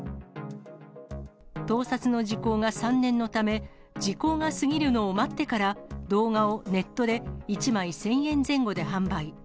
盗撮の時効が３年のため、時効が過ぎるのを待ってから、動画をネットで１枚１０００円前後で販売。